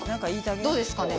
どうですかね？